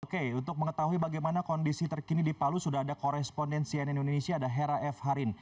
oke untuk mengetahui bagaimana kondisi terkini di palu sudah ada korespondensian indonesia ada hera f harin